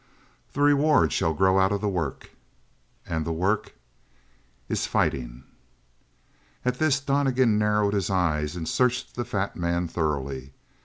"The reward shall grow out of the work." "And the work?" "Is fighting." At this Donnegan narrowed his eyes and searched the fat man thoroughly.